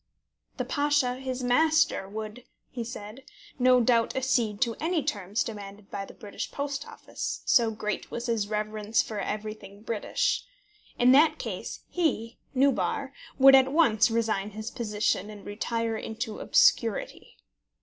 "The Pasha, his master, would," he said, "no doubt accede to any terms demanded by the British Post Office, so great was his reverence for everything British. In that case he, Nubar, would at once resign his position, and retire into obscurity.